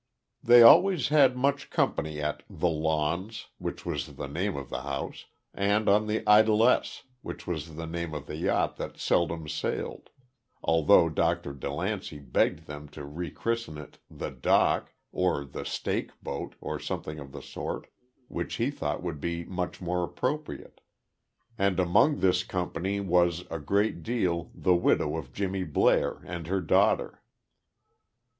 They always had much company at "The Lawns," which was the name of the house, and on the "Idlesse," which was the name of the yacht that seldom sailed; although Dr. DeLancey begged them to rechristen it "The Dock," or "The Stake Boat," or something of the sort, which he thought would be much more appropriate. And among this company, was a great deal, the widow of Jimmy Blair, and her daughter.